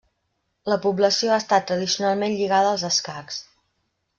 La població ha estat tradicionalment lligada als escacs.